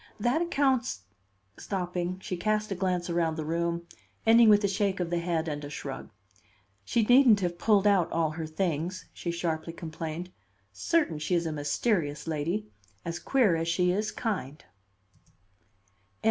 That accounts " Stopping, she cast a glance around the room, ending with a shake of the head and a shrug. "She needn't have pulled out all her things," she sharply complained. "Certain, she is a mysterious lady; as queer as she is kind."